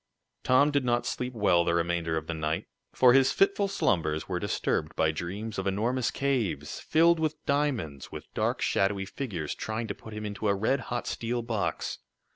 Tom did not sleep well the remainder of the night, for his fitful slumbers were disturbed by dreams of enormous caves, filled with diamonds, with dark, shadowy figures trying to put him into a red hot steel box.